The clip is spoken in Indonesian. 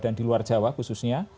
dan di luar jawa khususnya